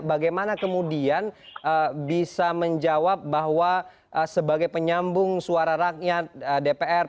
bagaimana kemudian bisa menjawab bahwa sebagai penyambung suara rakyat dpr